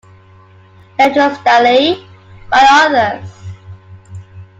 "Leptostylae" by others.